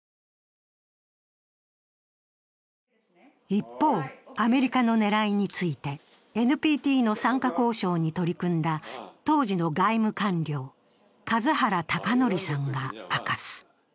一方、アメリカの狙いについてＮＰＴの参加交渉に取り組んだ当時の外務官僚数原孝憲さんが明かす。